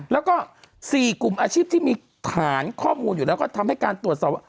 แล้วก็๔กลุ่มอาชีพที่มีฐานข้อมูลอยู่แล้วก็ทำให้การตรวจสอบว่า